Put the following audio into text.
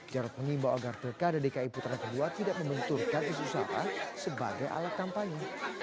jarod mengimbau agar pekada dki putra ke dua tidak membenturkan kesusahan sebagai alat kampanye